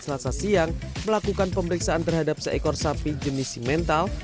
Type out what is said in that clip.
selasa siang melakukan pemeriksaan terhadap seekor sapi jenis simental